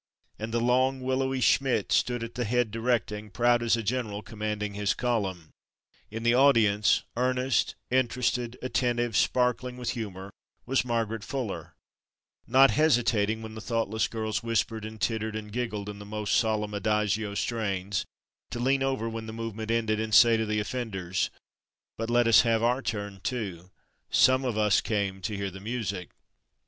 And the long, willowy Schmidt stood at the head directing, proud as a general commanding his column. In the audience, earnest, interested, attentive, sparkling with humor, was Margaret Fuller, not hesitating, when the thoughtless girls whispered and tittered and giggled in the most solemn adagio strains, to lean over when the movement ended and to say to the offenders: "But let us have our turn, too; some of us came to hear the music."